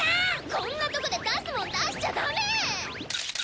こんなとこで出すもん出しちゃダメ！